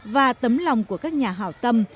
và tấm lòng của các nhà hảo tâm